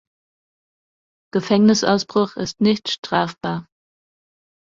Gefängnisausbruch ist nicht strafbar.